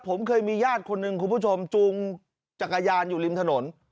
ผมเคยมีญาติคนหนึ่งคุณผู้ชมจูงจักรยานอยู่ริมถนน